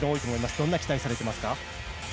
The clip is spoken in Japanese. どんな期待をされていますか？